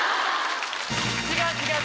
違う違う！